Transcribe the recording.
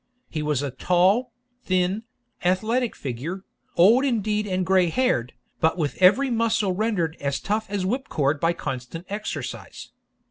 He was a tall, thin, athletic figure, old indeed and grey haired, but with every muscle rendered as tough as whip cord by constant exercise.